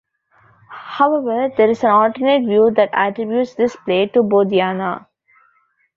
However, there is an alternate view that attributes this play to Bodhayana.